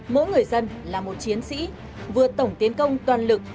mỗi người dân là một chiến sĩ vừa tổng tiến công toàn lực